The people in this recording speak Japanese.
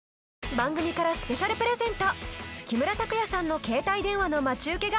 番組からスペシャルプレゼント